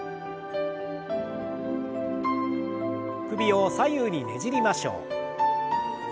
首を左右にねじりましょう。